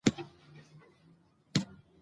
د افغانستان طبیعت له بادي انرژي څخه جوړ شوی دی.